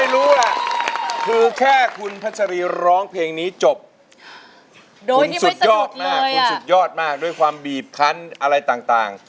และดูโดยความบีบคั้นอะไรต่าง